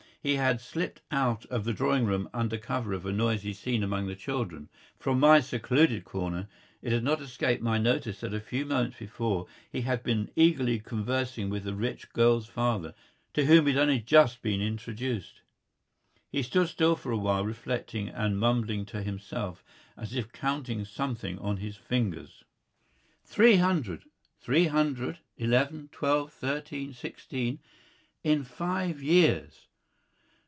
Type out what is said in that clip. He had slipped out of the drawing room under cover of a noisy scene among the children. From my secluded corner it had not escaped my notice that a few moments before he had been eagerly conversing with the rich girl's father, to whom he had only just been introduced. He stood still for a while reflecting and mumbling to himself, as if counting something on his fingers. "Three hundred three hundred eleven twelve thirteen sixteen in five years!